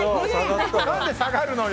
何で下がるのよ。